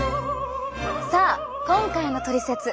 さあ今回のトリセツ！